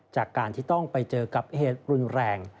จากการที่ต้องไปเจอกับเหตุรุนแรง